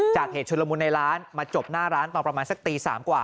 เหตุชุลมุนในร้านมาจบหน้าร้านตอนประมาณสักตี๓กว่า